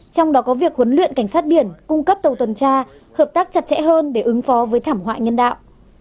trong đó có việc huấn luyện cảnh sát biển cung cấp tàu tuần tra hợp tác chặt chẽ hơn để ứng phó với thảm họa nhân đạo